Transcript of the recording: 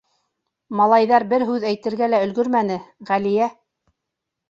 Малайҙар бер һүҙ әйтергә лә өлгөрмәне, Ғәлиә: